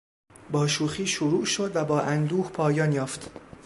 با شوخی شروع شد و با اندوه پایان یافت.